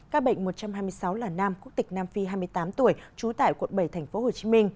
các bệnh một trăm hai mươi sáu là nam quốc tịch nam phi hai mươi tám tuổi trú tại quận bảy tp hcm